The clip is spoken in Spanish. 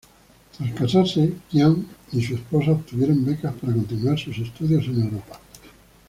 Tras casarse, Qian y su esposa obtuvieron becas para continuar sus estudios en Europa.